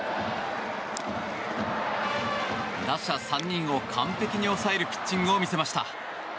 打者３人を完璧に抑えるピッチングを見せました。